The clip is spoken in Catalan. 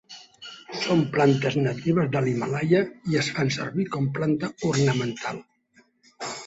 Són plantes natives de l'Himàlaia i es fan servir com planta ornamental.